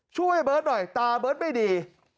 ช่วยเบิร์ตหน่อยตาเบิร์ตไม่ดี